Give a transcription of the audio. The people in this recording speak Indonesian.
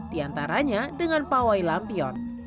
di antaranya dengan pawai lampion